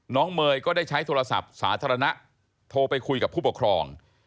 เมย์ก็ได้ใช้โทรศัพท์สาธารณะโทรไปคุยกับผู้ปกครอง